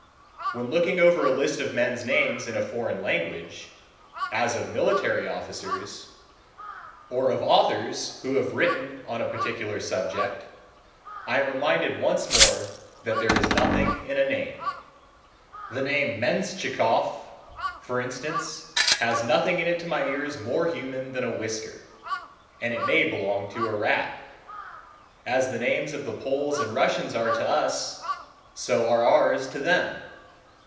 When looking over a list of men's names in a foreign language, as of military officers, or of authors who have written on a particular subject, I am reminded once more that there is nothing in a name. The name Menschikoff, for instance, has nothing in it to my ears more human than a whisker, and it may belong to a rat. As the names of the Poles and Russians are to us, so are ours to them.